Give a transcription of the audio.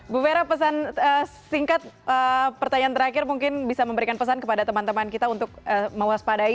bu vera pesan singkat pertanyaan terakhir mungkin bisa memberikan pesan kepada teman teman kita untuk mewaspadai